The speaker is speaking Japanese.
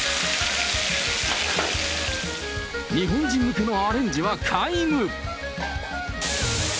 日本人向けのアレンジは皆無。